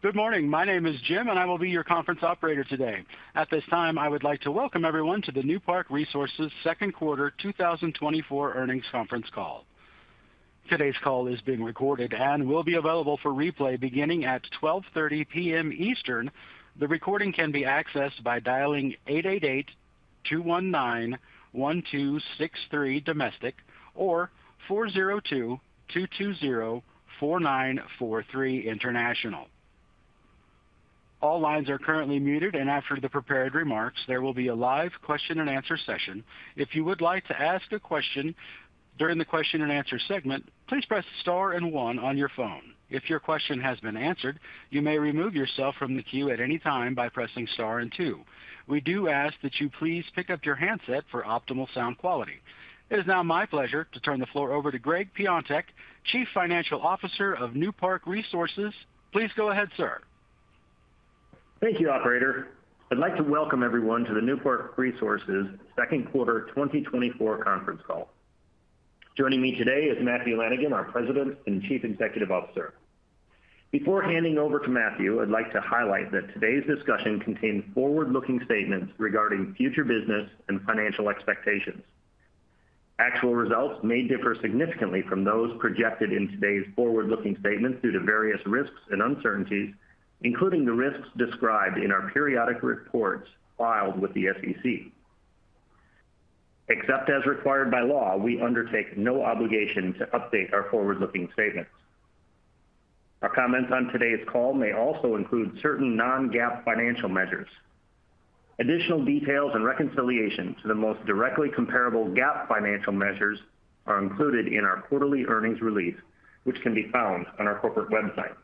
Good morning. My name is Jim, and I will be your conference operator today. At this time, I would like to welcome everyone to the Newpark Resources second quarter 2024 earnings conference call. Today's call is being recorded and will be available for replay beginning at 12:30 P.M. Eastern. The recording can be accessed by dialing 888-219-1263 domestic or 402-220-4943 international. All lines are currently muted, and after the prepared remarks, there will be a live question-and-answer session. If you would like to ask a question during the question-and-answer segment, please press Star and One on your phone. If your question has been answered, you may remove yourself from the queue at any time by pressing Star and Two. We do ask that you please pick up your handset for optimal sound quality. It is now my pleasure to turn the floor over to Gregg Piontek, Chief Financial Officer of Newpark Resources. Please go ahead, sir. Thank you, operator. I'd like to welcome everyone to the Newpark Resources second quarter 2024 conference call. Joining me today is Matthew Lanigan, our President and Chief Executive Officer. Before handing over to Matthew, I'd like to highlight that today's discussion contains forward-looking statements regarding future business and financial expectations. Actual results may differ significantly from those projected in today's forward-looking statements due to various risks and uncertainties, including the risks described in our periodic reports filed with the SEC. Except as required by law, we undertake no obligation to update our forward-looking statements. Our comments on today's call may also include certain non-GAAP financial measures. Additional details and reconciliation to the most directly comparable GAAP financial measures are included in our quarterly earnings release, which can be found on our corporate website.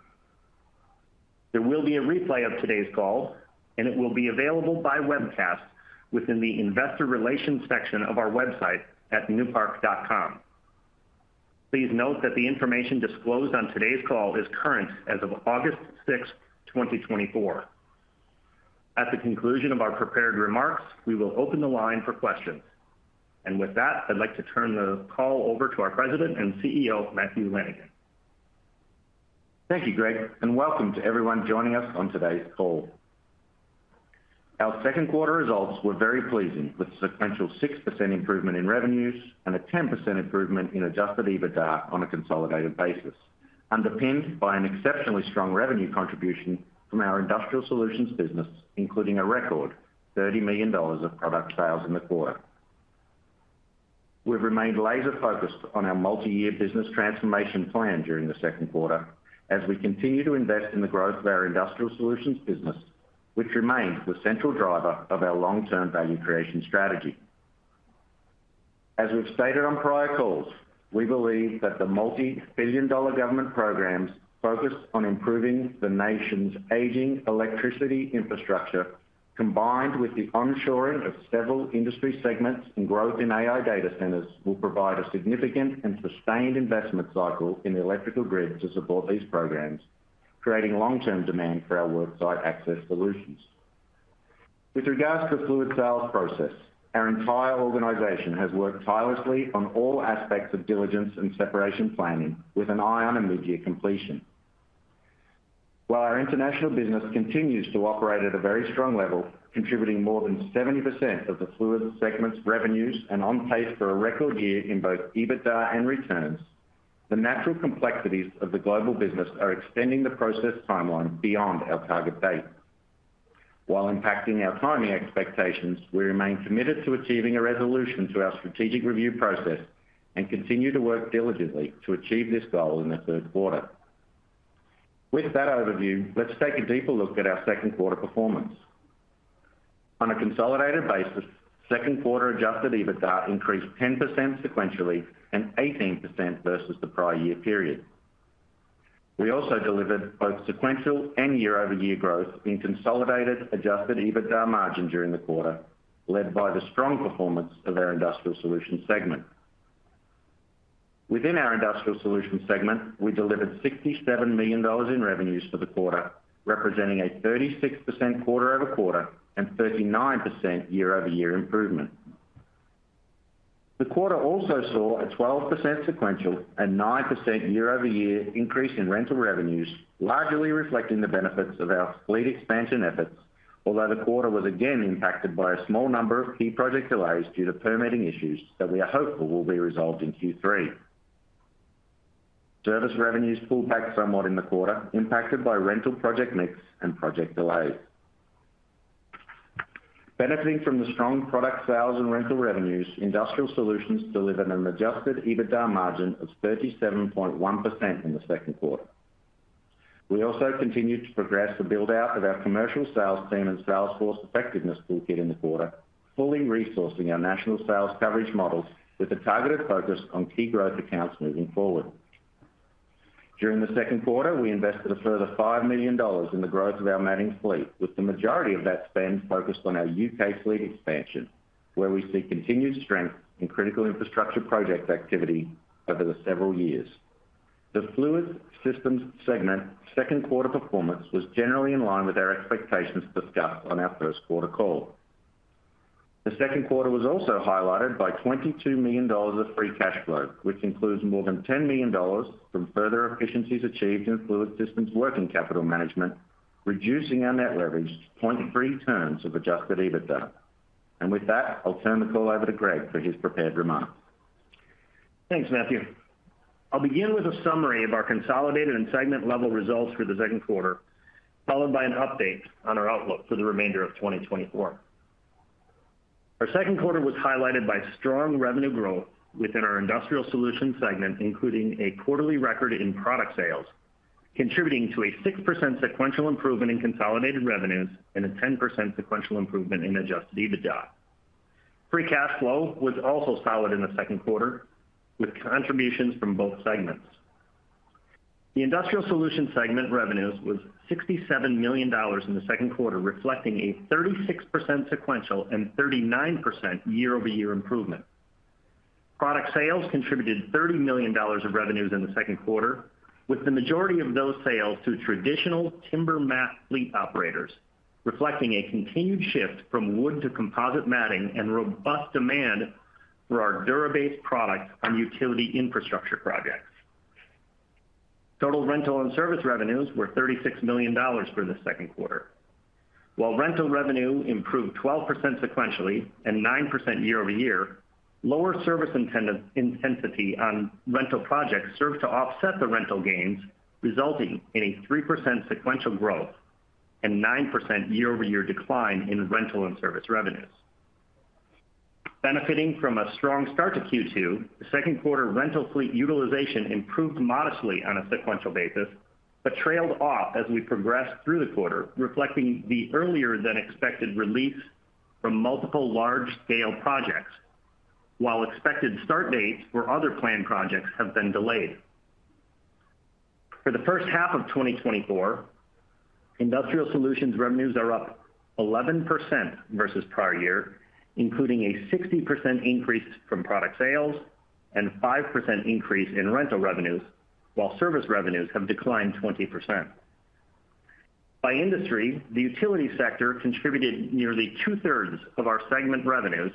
There will be a replay of today's call, and it will be available by webcast within the Investor Relations section of our website at newpark.com. Please note that the information disclosed on today's call is current as of August 6th, 2024. At the conclusion of our prepared remarks, we will open the line for questions. With that, I'd like to turn the call over to our President and CEO, Matthew Lanigan. Thank you, Gregg, and welcome to everyone joining us on today's call. Our second quarter results were very pleasing, with sequential 6% improvement in revenues and a 10% improvement in adjusted EBITDA on a consolidated basis, underpinned by an exceptionally strong revenue contribution from our Industrial Solutions business, including a record $30 million of product sales in the quarter. We've remained laser-focused on our multi-year business transformation plan during the second quarter as we continue to invest in the growth of our Industrial Solutions business, which remains the central driver of our long-term value creation strategy. As we've stated on prior calls, we believe that the multi-billion dollar government programs focused on improving the nation's aging electricity infrastructure, combined with the onshoring of several industry segments and growth in AI data centers, will provide a significant and sustained investment cycle in the electrical grid to support these programs, creating long-term demand for our work site access solutions. With regards to the Fluids sales process, our entire organization has worked tirelessly on all aspects of diligence and separation planning with an eye on immediate completion. While our international business continues to operate at a very strong level, contributing more than 70% of the Fluids segment's revenues and on pace for a record year in both EBITDA and returns, the natural complexities of the global business are extending the process timeline beyond our target date. While impacting our timing expectations, we remain committed to achieving a resolution to our strategic review process and continue to work diligently to achieve this goal in the third quarter. With that overview, let's take a deeper look at our second quarter performance. On a consolidated basis, second quarter Adjusted EBITDA increased 10% sequentially and 18% versus the prior year period. We also delivered both sequential and year-over-year growth in consolidated Adjusted EBITDA margin during the quarter, led by the strong performance of our Industrial Solutions segment. Within our Industrial Solutions segment, we delivered $67 million in revenues for the quarter, representing a 36% quarter-over-quarter and 39% year-over-year improvement. The quarter also saw a 12% sequential and 9% year-over-year increase in rental revenues, largely reflecting the benefits of our fleet expansion efforts. Although the quarter was again impacted by a small number of key project delays due to permitting issues that we are hopeful will be resolved in Q3. Service revenues pulled back somewhat in the quarter, impacted by rental project mix and project delays. Benefiting from the strong product sales and rental revenues, Industrial Solutions delivered an Adjusted EBITDA margin of 37.1% in the second quarter. We also continued to progress the build-out of our commercial sales team and sales force effectiveness toolkit in the quarter, fully resourcing our national sales coverage models with a targeted focus on key growth accounts moving forward. During the second quarter, we invested a further $5 million in the growth of our matting fleet, with the majority of that spend focused on our U.K. fleet expansion, where we see continued strength in critical infrastructure project activity over the several years. The Fluids Systems segment second quarter performance was generally in line with our expectations discussed on our first quarter call. The second quarter was also highlighted by $22 million of free cash flow, which includes more than $10 million from further efficiencies achieved in Fluids Systems working capital management, reducing our net leverage to 0.3 times adjusted EBITDA. And with that, I'll turn the call over to Gregg for his prepared remarks. Thanks, Matthew. I'll begin with a summary of our consolidated and segment-level results for the second quarter, followed by an update on our outlook for the remainder of 2024. Our second quarter was highlighted by strong revenue growth within our Industrial Solutions segment, including a quarterly record in product sales, contributing to a 6% sequential improvement in consolidated revenues and a 10% sequential improvement in Adjusted EBITDA. Free cash flow was also solid in the second quarter, with contributions from both segments. The Industrial Solutions segment revenues was $67 million in the second quarter, reflecting a 36% sequential and 39% year-over-year improvement. Product sales contributed $30 million of revenues in the second quarter, with the majority of those sales to traditional timber mat fleet operators, reflecting a continued shift from wood to composite matting and robust demand for our DURA-BASE products on utility infrastructure projects. Total rental and service revenues were $36 million for the second quarter. While rental revenue improved 12% sequentially and 9% year-over-year, lower service intensity on rental projects served to offset the rental gains, resulting in a 3% sequential growth and 9% year-over-year decline in rental and service revenues. Benefiting from a strong start to Q2, the second quarter rental fleet utilization improved modestly on a sequential basis, but trailed off as we progressed through the quarter, reflecting the earlier-than-expected release from multiple large-scale projects, while expected start dates for other planned projects have been delayed. For the first half of 2024, Industrial Solutions revenues are up 11% versus prior year, including a 60% increase from product sales and 5% increase in rental revenues, while service revenues have declined 20%. By industry, the utility sector contributed nearly 2/3 of our segment revenues,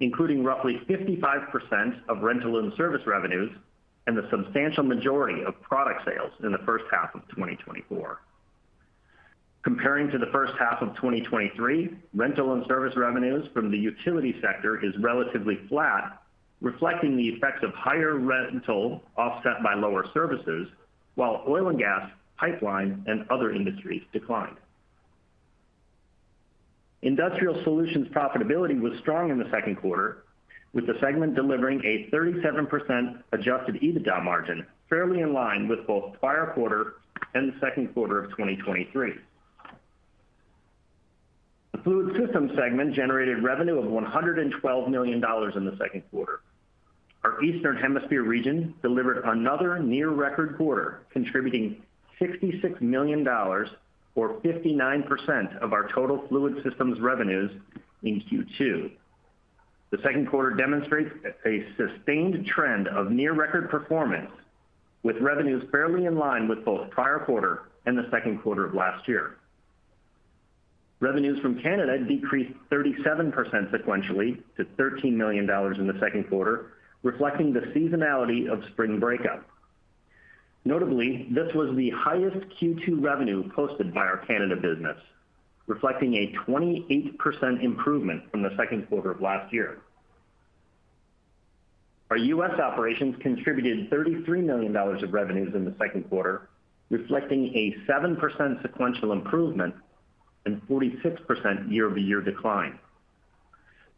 including roughly 55% of rental and service revenues and the substantial majority of product sales in the first half of 2024. Comparing to the first half of 2023, rental and service revenues from the utility sector is relatively flat, reflecting the effects of higher rental offset by lower services, while oil and gas, pipeline, and other industries declined. Industrial Solutions profitability was strong in the second quarter, with the segment delivering a 37% adjusted EBITDA margin, fairly in line with both prior quarter and the second quarter of 2023. The Fluid Systems segment generated revenue of $112 million in the second quarter. Our Eastern Hemisphere region delivered another near-record quarter, contributing $66 million or 59% of our total Fluid Systems revenues in Q2. The second quarter demonstrates a sustained trend of near-record performance, with revenues fairly in line with both prior quarter and the second quarter of last year. Revenues from Canada decreased 37% sequentially to $13 million in the second quarter, reflecting the seasonality of spring breakup. Notably, this was the highest Q2 revenue posted by our Canada business, reflecting a 28% improvement from the second quarter of last year. Our U.S. operations contributed $33 million of revenues in the second quarter, reflecting a 7% sequential improvement and 46% year-over-year decline.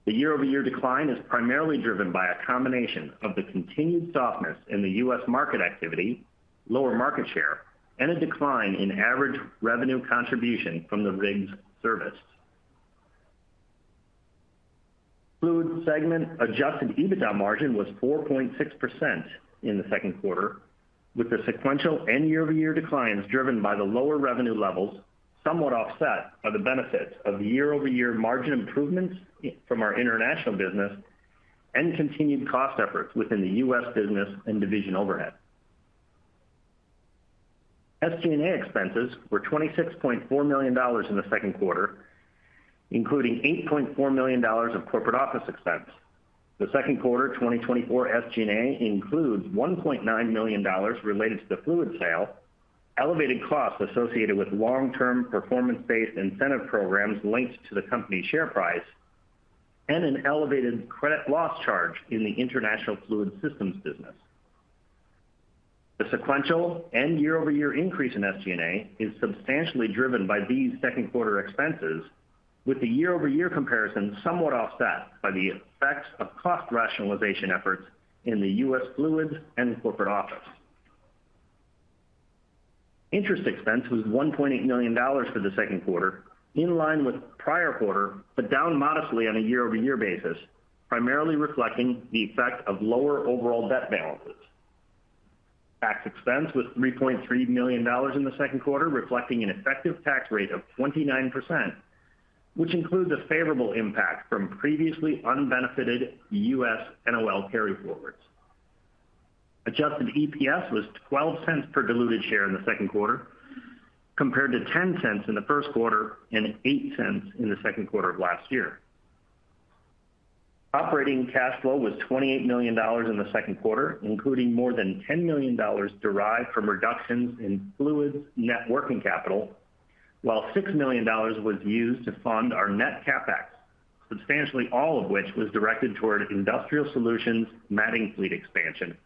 The year-over-year decline is primarily driven by a combination of the continued softness in the U.S. market activity, lower market share, and a decline in average revenue contribution from the rigs serviced. Fluid segment adjusted EBITDA margin was 4.6% in the second quarter, with the sequential and year-over-year declines driven by the lower revenue levels, somewhat offset by the benefits of year-over-year margin improvements from our international business and continued cost efforts within the U.S. business and division overhead. SG&A expenses were $26.4 million in the second quarter, including $8.4 million of corporate office expense. The second quarter 2024 SG&A includes $1.9 million related to the Fluids sale, elevated costs associated with long-term performance-based incentive programs linked to the company's share price, and an elevated credit loss charge in the international Fluids systems business. The sequential and year-over-year increase in SG&A is substantially driven by these second quarter expenses, with the year-over-year comparison somewhat offset by the effects of cost rationalization efforts in the U.S. Fluids and corporate office. Interest expense was $1.8 million for the second quarter, in line with prior quarter, but down modestly on a year-over-year basis, primarily reflecting the effect of lower overall debt balances. Tax expense was $3.3 million in the second quarter, reflecting an effective tax rate of 29%, which includes a favorable impact from previously unbenefited U.S. NOL carryforwards. Adjusted EPS was $0.12 per diluted share in the second quarter, compared to $0.10 in the first quarter and $0.08 in the second quarter of last year. Operating cash flow was $28 million in the second quarter, including more than $10 million derived from reductions in Fluids net working capital, while $6 million was used to fund our net CapEx, substantially all of which was directed toward Industrial Solutions matting fleet expansion,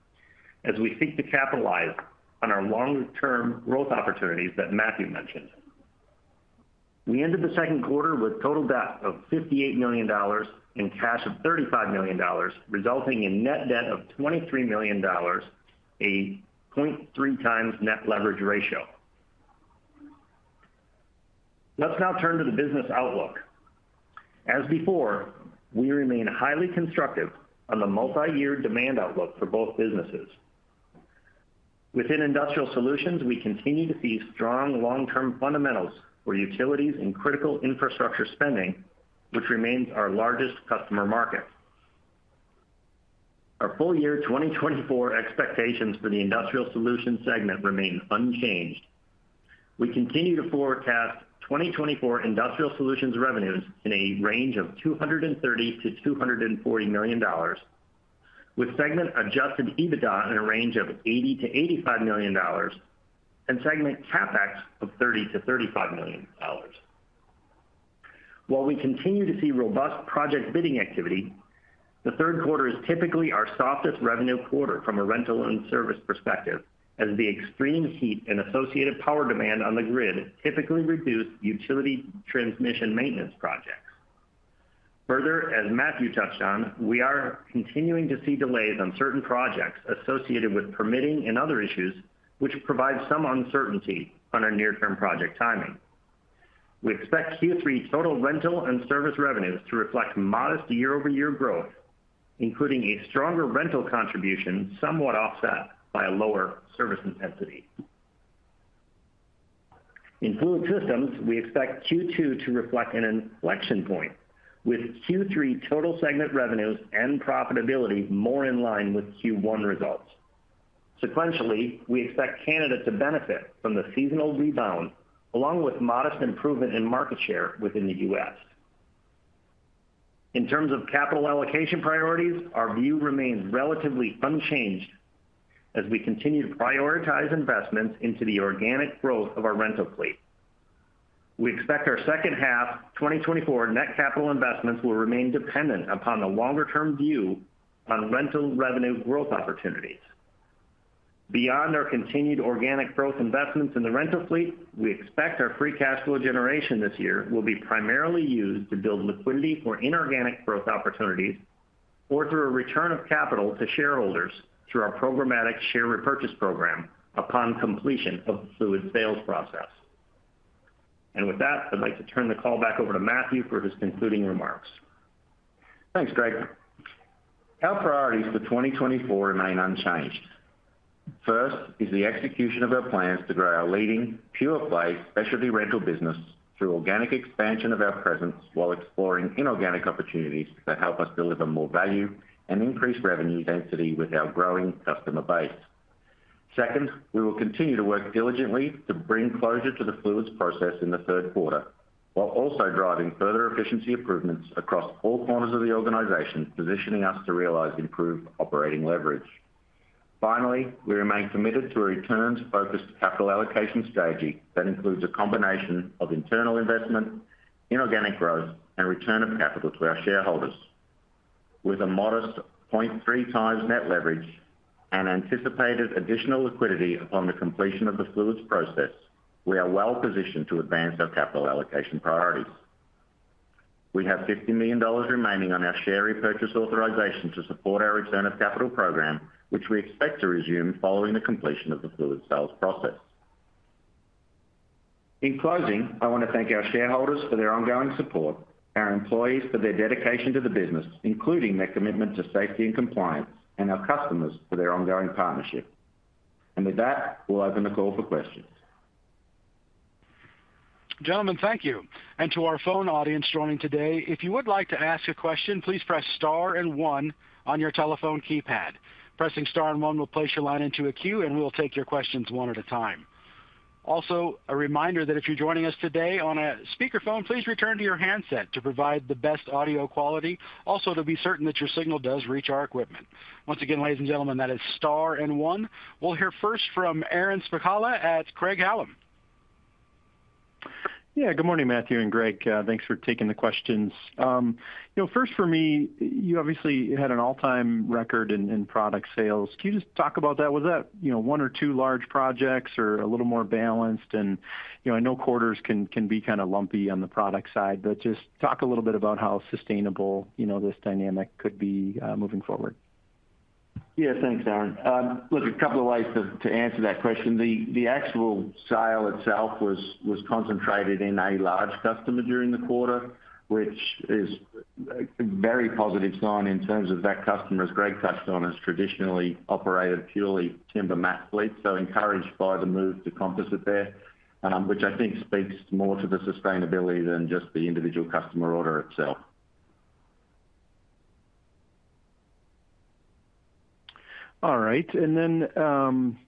as we seek to capitalize on our long-term growth opportunities that Matthew mentioned. We ended the second quarter with total debt of $58 million and cash of $35 million, resulting in net debt of $23 million, a 0.3 times net leverage ratio. Let's now turn to the business outlook. As before, we remain highly constructive on the multiyear demand outlook for both businesses. Within Industrial Solutions, we continue to see strong long-term fundamentals for utilities and critical infrastructure spending, which remains our largest customer market. Our full year 2024 expectations for the Industrial Solutions segment remain unchanged. We continue to forecast 2024 Industrial Solutions revenues in a range of $230 million-$240 million, with segment Adjusted EBITDA in a range of $80 million-$85 million and segment CapEx of $30 million-$35 million. While we continue to see robust project bidding activity, the third quarter is typically our softest revenue quarter from a rental and service perspective, as the extreme heat and associated power demand on the grid typically reduce utility transmission maintenance projects. Further, as Matthew touched on, we are continuing to see delays on certain projects associated with permitting and other issues, which provide some uncertainty on our near-term project timing. We expect Q3 total rental and service revenues to reflect modest year-over-year growth, including a stronger rental contribution, somewhat offset by a lower service intensity. In Fluid Systems, we expect Q2 to reflect an inflection point, with Q3 total segment revenues and profitability more in line with Q1 results. Sequentially, we expect Canada to benefit from the seasonal rebound, along with modest improvement in market share within the U.S. In terms of capital allocation priorities, our view remains relatively unchanged as we continue to prioritize investments into the organic growth of our rental fleet. We expect our second half 2024 net capital investments will remain dependent upon the longer-term view on rental revenue growth opportunities. Beyond our continued organic growth investments in the rental fleet, we expect our free cash flow generation this year will be primarily used to build liquidity for inorganic growth opportunities or through a return of capital to shareholders through our programmatic share repurchase program upon completion of the Fluids sales process. With that, I'd like to turn the call back over to Matthew for his concluding remarks. Thanks, Gregg. Our priorities for 2024 remain unchanged. First is the execution of our plans to grow our leading pure play specialty rental business through organic expansion of our presence, while exploring inorganic opportunities that help us deliver more value and increase revenue density with our growing customer base. Second, we will continue to work diligently to bring closure to the Fluids process in the third quarter, while also driving further efficiency improvements across all corners of the organization, positioning us to realize improved operating leverage. Finally, we remain committed to a returns-focused capital allocation strategy that includes a combination of internal investment, inorganic growth, and return of capital to our shareholders. With a modest 0.3 times net leverage and anticipated additional liquidity upon the completion of the Fluids process, we are well positioned to advance our capital allocation priorities. We have $50 million remaining on our share repurchase authorization to support our return of capital program, which we expect to resume following the completion of the Fluids sales process. In closing, I want to thank our shareholders for their ongoing support, our employees for their dedication to the business, including their commitment to safety and compliance, and our customers for their ongoing partnership. With that, we'll open the call for questions. Gentlemen, thank you. To our phone audience joining today, if you would like to ask a question, please press star and one on your telephone keypad. Pressing star and one will place your line into a queue, and we will take your questions one at a time. Also, a reminder that if you're joining us today on a speakerphone, please return to your handset to provide the best audio quality, also to be certain that your signal does reach our equipment. Once again, ladies and gentlemen, that is star and one. We'll hear first from Aaron Spychalla at Craig-Hallum. Yeah, good morning, Matthew and Greg. Thanks for taking the questions. You know, first for me, you obviously had an all-time record in product sales. Can you just talk about that? Was that, you know, one or two large projects or a little more balanced? And, you know, I know quarters can be kind of lumpy on the product side, but just talk a little bit about how sustainable, you know, this dynamic could be moving forward. Yeah. Thanks, Aaron. Look, a couple of ways to answer that question. The actual sale itself was concentrated in a large customer during the quarter, which is a very positive sign in terms of that customer, as Gregg touched on, has traditionally operated purely timber mat fleets, so encouraged by the move to composite there, which I think speaks more to the sustainability than just the individual customer order itself. ... All right, and then,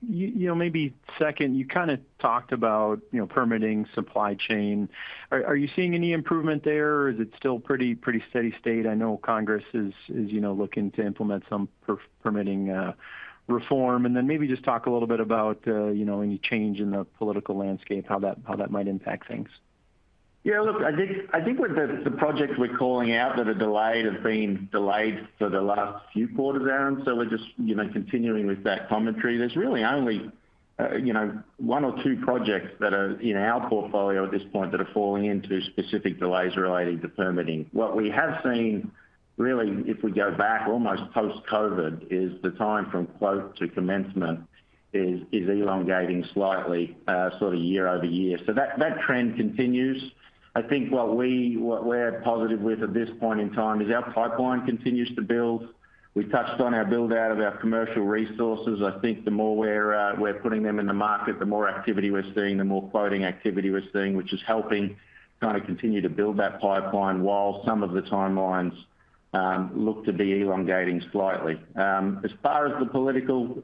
you know, maybe second, you kind of talked about, you know, permitting supply chain. Are you seeing any improvement there, or is it still pretty steady state? I know Congress is, you know, looking to implement some permitting reform. And then maybe just talk a little bit about, you know, any change in the political landscape, how that might impact things. Yeah, look, I think, I think with the projects we're calling out that are delayed, have been delayed for the last few quarters, Aaron, so we're just, you know, continuing with that commentary. There's really only, you know, one or two projects that are in our portfolio at this point, that are falling into specific delays relating to permitting. What we have seen, really, if we go back almost post-COVID, is the time from quote to commencement is elongating slightly, sort of year over year. So that trend continues. I think what we're positive with at this point in time is our pipeline continues to build. We touched on our build-out of our commercial resources. I think the more we're putting them in the market, the more activity we're seeing, the more quoting activity we're seeing, which is helping kind of continue to build that pipeline, while some of the timelines look to be elongating slightly. As far as the political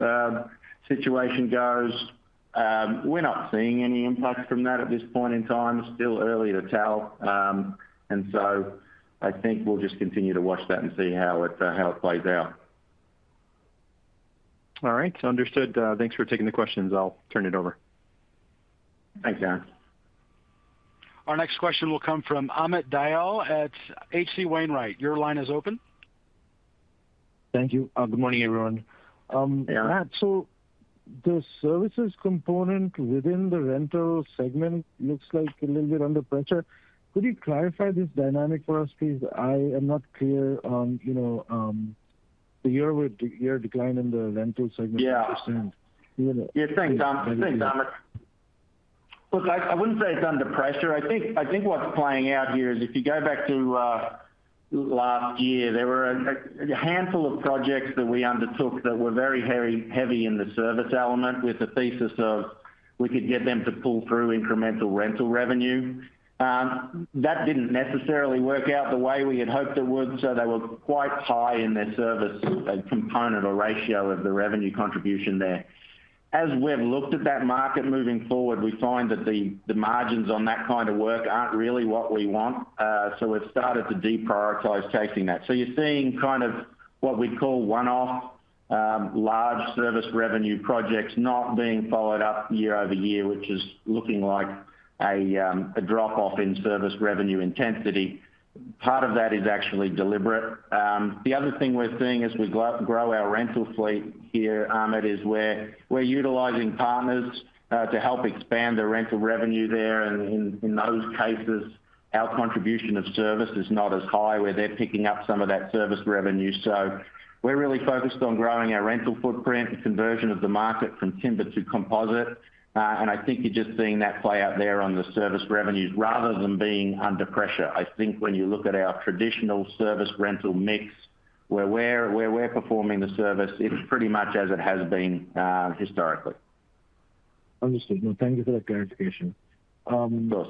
situation goes, we're not seeing any impact from that at this point in time. Still early to tell. And so I think we'll just continue to watch that and see how it plays out. All right, understood. Thanks for taking the questions. I'll turn it over. Thanks, Aaron. Our next question will come from Amit Dayal at H.C. Wainwright. Your line is open. Thank you. Good morning, everyone. Yeah. So the services component within the rental segment looks like a little bit under pressure. Could you clarify this dynamic for us, please? I am not clear on, you know, the year-over-year decline in the rental segment- Yeah -percent. Yeah. Thanks, thanks, Amit. Look, I wouldn't say it's under pressure. I think what's playing out here is if you go back to last year, there were a handful of projects that we undertook that were very, very heavy in the service element, with the thesis of we could get them to pull through incremental rental revenue. That didn't necessarily work out the way we had hoped it would, so they were quite high in their service component or ratio of the revenue contribution there. As we've looked at that market moving forward, we find that the margins on that kind of work aren't really what we want, so we've started to deprioritize chasing that. So you're seeing kind of what we call one-off large service revenue projects not being followed up year over year, which is looking like a drop-off in service revenue intensity. Part of that is actually deliberate. The other thing we're seeing as we grow our rental fleet here, Amit, is we're utilizing partners to help expand the rental revenue there, and in those cases, our contribution of service is not as high, where they're picking up some of that service revenue. So we're really focused on growing our rental footprint, the conversion of the market from timber to composite, and I think you're just seeing that play out there on the service revenues. Rather than being under pressure, I think when you look at our traditional service rental mix, where we're performing the service, it's pretty much as it has been, historically. Understood. No, thank you for that clarification. Of course.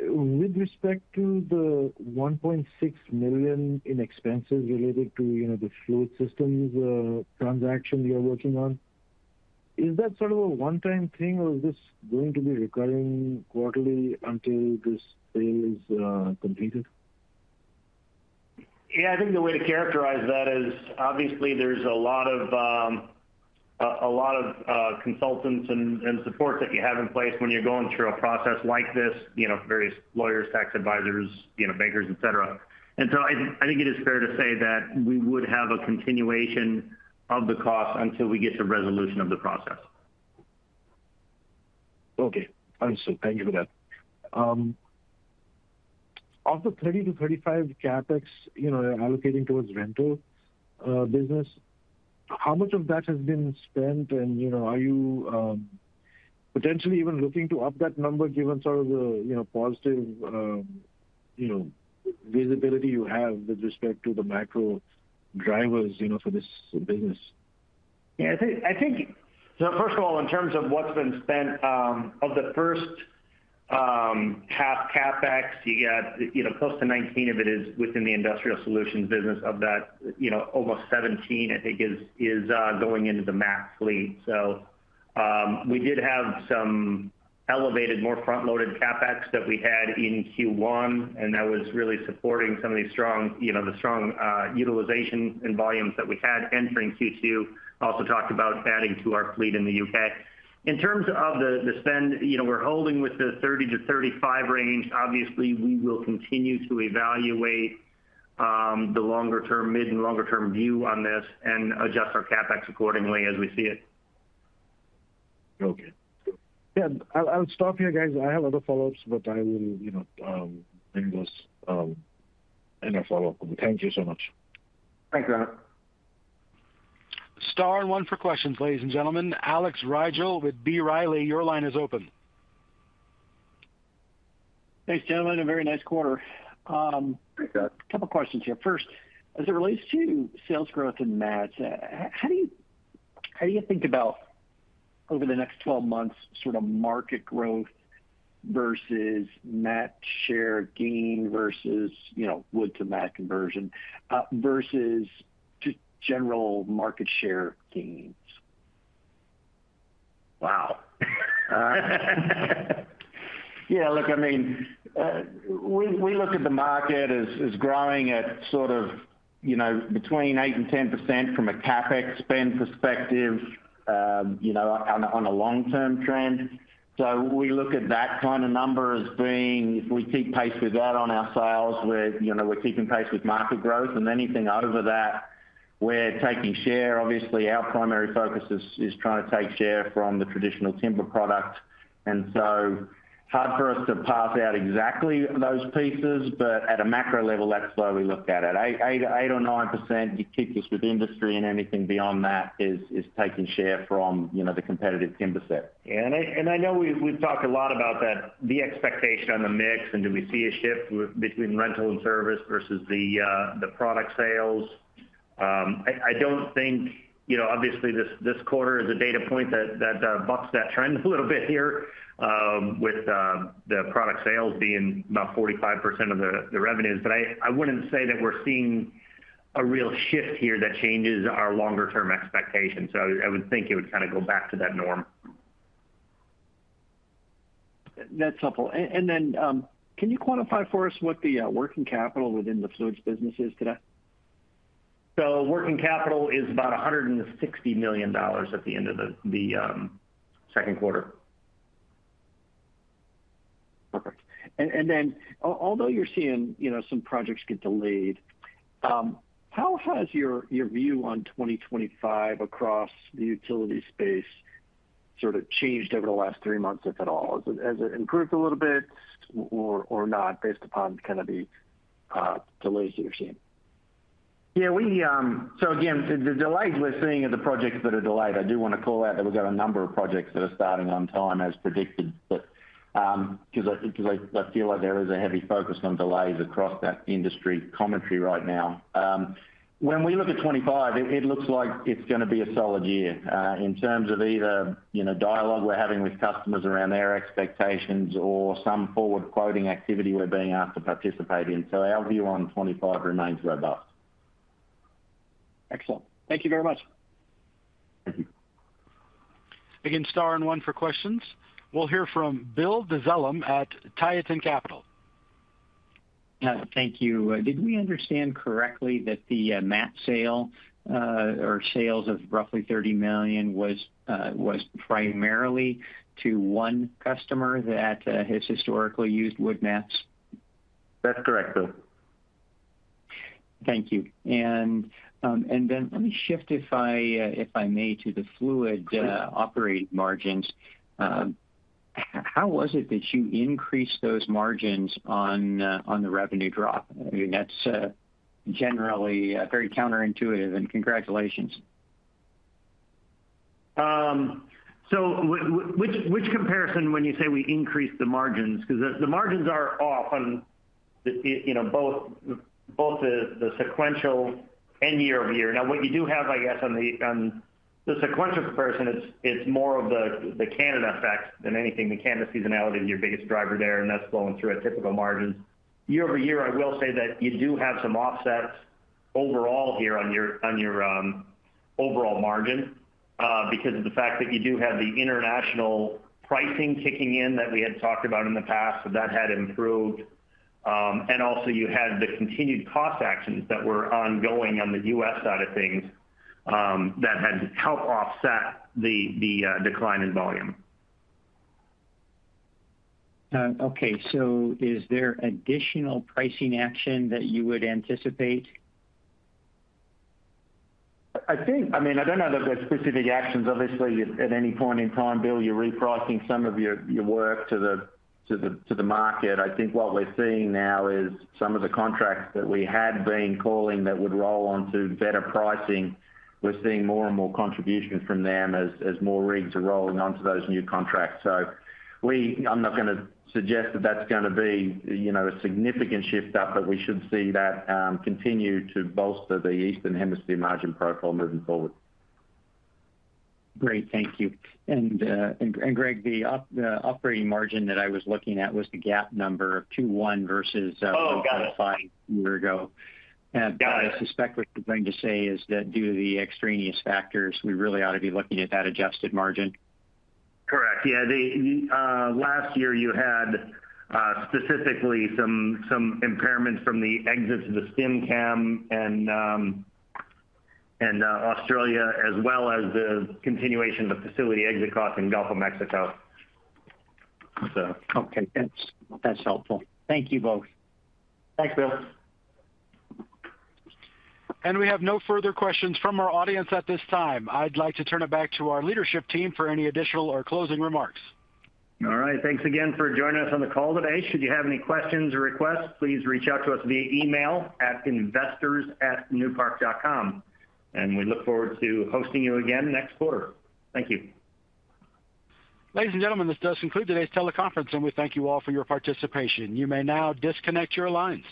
With respect to the $1.6 million in expenses related to, you know, the Fluids Systems transaction you're working on, is that sort of a one-time thing, or is this going to be recurring quarterly until this sale is completed? Yeah, I think the way to characterize that is, obviously there's a lot of consultants and support that you have in place when you're going through a process like this, you know, various lawyers, tax advisors, you know, bankers, et cetera. And so I think it is fair to say that we would have a continuation of the cost until we get to resolution of the process. Okay. Understood. Thank you for that. Of the $30 to $35 CapEx, you know, allocating towards rental business, how much of that has been spent? And, you know, are you potentially even looking to up that number given sort of the, you know, positive visibility you have with respect to the macro drivers, you know, for this business? Yeah, I think. So first of all, in terms of what's been spent, of the first half CapEx, you got, you know, close to $19 of it is within the industrial solutions business. Of that, you know, almost $17, I think, is going into the mat fleet. So, we did have some elevated, more front-loaded CapEx that we had in Q1, and that was really supporting some of the strong, you know, the strong utilization and volumes that we had entering Q2. Also talked about adding to our fleet in the U.K. In terms of the spend, you know, we're holding with the $30-$35 range. Obviously, we will continue to evaluate the longer term, mid and longer term view on this and adjust our CapEx accordingly as we see it. Okay. Yeah, I'll, I'll stop here, guys. I have other follow-ups, but I will, you know, bring those in our follow-up. Thank you so much. Thanks, Amit. Star and one for questions, ladies and gentlemen. Alex Rygiel with B. Riley, your line is open. Thanks, gentlemen. A very nice quarter. Thanks, Alex. A couple questions here. First, as it relates to sales growth in mats, how do you, how do you think about- ... over the next 12 months, sort of market growth versus mat share gain, versus, you know, wood to mat conversion, versus just general market share gains? Wow! Yeah, look, I mean, we look at the market as growing at sort of, you know, between 8% and 10% from a CapEx spend perspective, you know, on a long-term trend. So we look at that kind of number as being, if we keep pace with that on our sales, we're, you know, keeping pace with market growth, and anything over that, we're taking share. Obviously, our primary focus is trying to take share from the traditional timber product, and so hard for us to parse out exactly those pieces, but at a macro level, that's where we look at it. Eight, 8% or 9%, it keeps us with industry, and anything beyond that is taking share from, you know, the competitive timber set. I know we've talked a lot about that, the expectation on the mix, and do we see a shift between rental and service versus the product sales? I don't think, you know, obviously, this quarter is a data point that bucks that trend a little bit here, with the product sales being about 45% of the revenues. But I wouldn't say that we're seeing a real shift here that changes our longer-term expectations. So I would think it would kind of go back to that norm. That's helpful. And then, can you quantify for us what the working capital within the Fluids business is today? So working capital is about $160 million at the end of the second quarter. Perfect. And then although you're seeing, you know, some projects get delayed, how has your view on 2025 across the utility space sort of changed over the last three months, if at all? Has it improved a little bit or not, based upon kind of the delays that you're seeing? Yeah, we... So again, the delays we're seeing are the projects that are delayed. I do want to call out that we've got a number of projects that are starting on time as predicted. But, 'cause I feel like there is a heavy focus on delays across that industry commentary right now. When we look at 25, it looks like it's gonna be a solid year in terms of either, you know, dialogue we're having with customers around their expectations or some forward quoting activity we're being asked to participate in. So our view on 25 remains robust. Excellent. Thank you very much. Thank you. Again, star and one for questions. We'll hear from Bill Dezellem at Tieton Capital. Thank you. Did we understand correctly that the mat sale or sales of roughly $30 million was primarily to one customer that has historically used wood mats? That's correct, Bill. Thank you. And then let me shift, if I may, to the Fluids Sure... operating margins. How was it that you increased those margins on the revenue drop? I mean, that's very counterintuitive, and congratulations. So which comparison when you say we increased the margins? Because the margins are off on it, you know, both the sequential and year-over-year. Now, what you do have, I guess, on the sequential comparison, it's more of the Canada effect than anything. The Canada seasonality is your biggest driver there, and that's flowing through at typical margins. Year-over-year, I will say that you do have some offsets overall here on your overall margin because of the fact that you do have the international pricing kicking in that we had talked about in the past. So that had improved. And also, you had the continued cost actions that were ongoing on the U.S. side of things that had helped offset the decline in volume. Okay, so is there additional pricing action that you would anticipate? I think, I mean, I don't know that there's specific actions. Obviously, at any point in time, Bill, you're repricing some of your work to the market. I think what we're seeing now is some of the contracts that we had been calling that would roll on to better pricing, we're seeing more and more contribution from them as more rigs are rolling onto those new contracts. So I'm not gonna suggest that that's gonna be, you know, a significant shift up, but we should see that continue to bolster the Eastern Hemisphere margin profile moving forward. Great, thank you. And Gregg, the operating margin that I was looking at was the GAAP number of 2.1 versus, Oh, got it.... five year ago. Got it. I suspect what you're going to say is that, due to the extraneous factors, we really ought to be looking at that adjusted margin. Correct. Yeah, the last year you had specifically some impairments from the exits of the Stim-Lab and Australia, as well as the continuation of the facility exit costs in Gulf of Mexico, so. Okay, that's, that's helpful. Thank you both. Thanks, Bill. We have no further questions from our audience at this time. I'd like to turn it back to our leadership team for any additional or closing remarks. All right. Thanks again for joining us on the call today. Should you have any questions or requests, please reach out to us via email at investors@newpark.com, and we look forward to hosting you again next quarter. Thank you. Ladies and gentlemen, this does conclude today's teleconference, and we thank you all for your participation. You may now disconnect your lines.